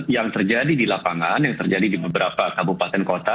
yang terjadi di lapangan yang terjadi di beberapa kabupaten kota